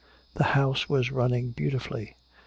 The house was running beautifully.